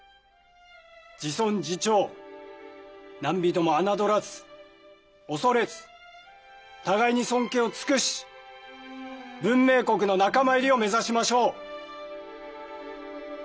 自尊自重なんびとも侮らず恐れず互いに尊敬を尽くし文明国の仲間入りを目指しましょう。